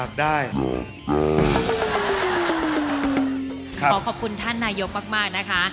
ขอขอบคุณท่านนายกมากนะคะ